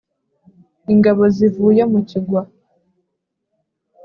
Ingabo zivuye mu kigwa.